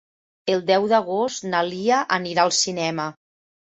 El deu d'agost na Lia anirà al cinema.